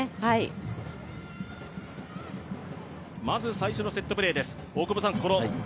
まず最初のセットプレーです。